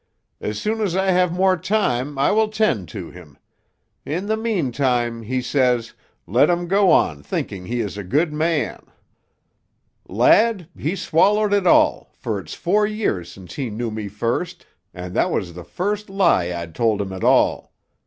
'As soon as I have more time I will 'tend to him. In the meantime,' he says, 'let him go on thinking he is a good man.' "Lad, he swallowed it all, for it's four years since he knew me first, and that was the first lie I'd told him at all.